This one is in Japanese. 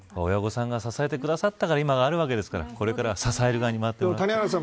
親御さんが支えてくださったから今があるわけですからこれからは支える側にまわってください。